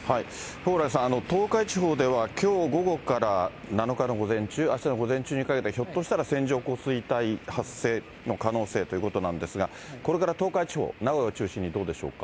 蓬莱さん、東海地方ではきょう午後から７日の午前中、あしたの午前中にかけて、ひょっとしたら線状降水帯発生の可能性ということなんですが、これから東海地方、名古屋を中心にどうでしょうか。